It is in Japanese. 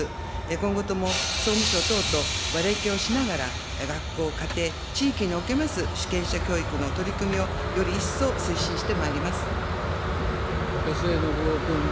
今後とも総務省等と連携をしながら、学校、家庭、地域におけます主権者教育の取り組みをより一層安江伸夫君。